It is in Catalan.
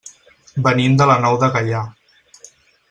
Venim de la Nou de Gaià.